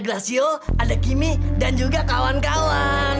gracio ada kimmy dan juga kawan kawan